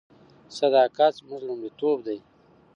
صداقت زموږ لومړیتوب دی.